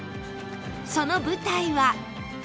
その舞台は